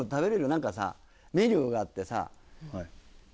何かメニューがあってさあっ